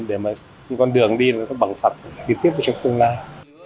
để mà con đường đi là có bằng phật thì tiếp vào trong tương lai